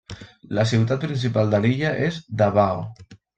La ciutat principal de l'illa és Davao.